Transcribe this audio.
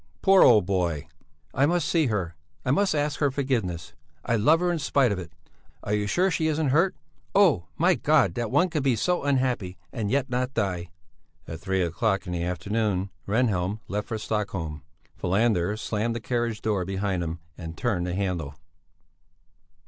poor old boy!" "I must see her! I must ask her forgiveness! I love her in spite of it! In spite of it! Are you sure she isn't hurt? Oh! my God, that one can be so unhappy and yet not die!" At three o'clock in the afternoon Rehnhjelm left for Stockholm. Falander slammed the carriage door behind him and turned the handle.